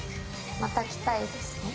また来たいですね。